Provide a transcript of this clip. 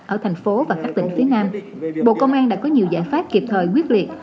ở thành phố và các tỉnh phía nam bộ công an đã có nhiều giải pháp kịp thời quyết liệt